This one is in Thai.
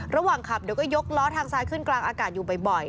ระหว่างขับเดี๋ยวก็ยกล้อทางซ้ายขึ้นกลางอากาศอยู่บ่อย